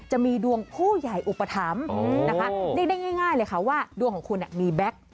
จะมีดวงผู้ใหญ่อุปถัมภ์นะคะเรียกได้ง่ายเลยค่ะว่าดวงของคุณมีแบ็ค